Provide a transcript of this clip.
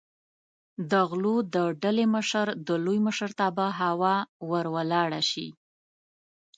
د غلو د ډلې مشر د لوی مشرتابه هوا ور ولاړه شي.